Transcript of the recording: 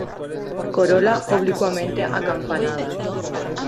Corola oblicuamente acampanada.